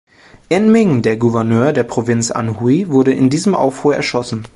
En Ming, der Gouverneur der Provinz Anhui wurde in diesem Aufruhr erschossen.